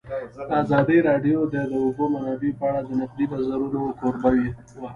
ازادي راډیو د د اوبو منابع په اړه د نقدي نظرونو کوربه وه.